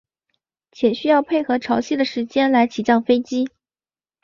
且需要配合潮汐的时间来起降飞机。